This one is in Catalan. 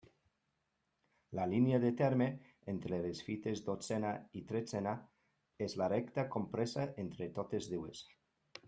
La línia de terme entre les fites dotzena i tretzena és la recta compresa entre totes dues.